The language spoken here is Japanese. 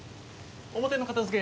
・表の片づけ